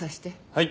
はい！